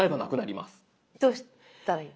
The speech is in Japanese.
どうしたらいい？